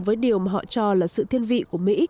với điều mà họ cho là sự thiên vị của mỹ